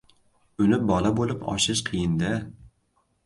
Uni bola bo‘lib oshish qiyin-da…